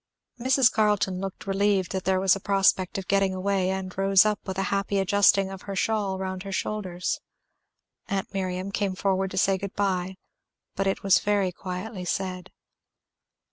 Mrs. Carleton looked relieved that there was a prospect of getting away, and rose up with a happy adjusting of her shawl round her shoulders. Aunt Miriam came forward to say good by, but it was very quietly said.